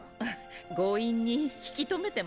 強引に引き止めてもアレよね。